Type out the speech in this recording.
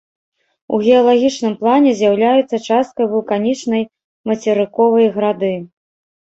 У геалагічным плане з'яўляюцца часткай вулканічнай мацерыковай грады.